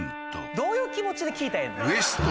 どういう気持ちで聞いたらええの？